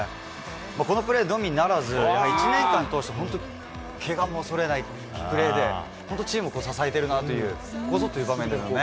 このプレーのみならず、１年間通して、本当にけがも恐れないプレーで、本当チームを支えてるなという、ここぞという場面でのね。